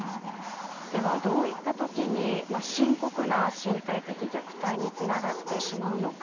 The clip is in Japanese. ではどういったときに深刻な身体的虐待につながってしまうのか。